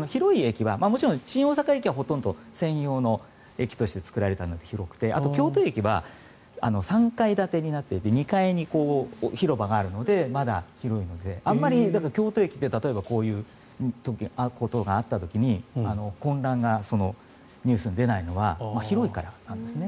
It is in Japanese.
もちろん新大阪駅は専用の駅として作られたので広くてあと、京都駅は３階建てになっていて２階に広場があるのでまだ広いので京都駅というと例えばこういうことがあった時に混乱がニュースに出ないのは広いからなんですね。